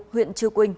huyện chư quynh